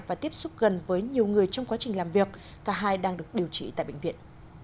và tiếp xúc gần với nhiều người trong quá trình làm việc cả hai đang được điều trị tại bệnh viện